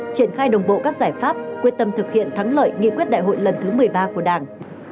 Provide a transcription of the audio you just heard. triển khai đồng bộ các giải pháp quyết tâm thực hiện thắng lợi nghị quyết đại hội lần thứ một mươi ba của đảng